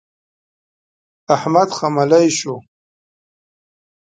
احمد خملۍ شو.